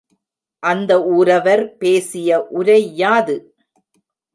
அந்த ஊரவர் பேசிய உரை யாது?